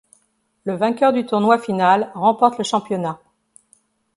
Le vainqueur du tournoi final remporte le championnat.